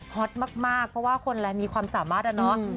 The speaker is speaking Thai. ฮอตมากเพราะว่าคนอะไรมีความสามารถอะเนาะ